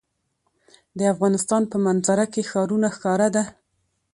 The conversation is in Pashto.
د افغانستان په منظره کې ښارونه ښکاره ده.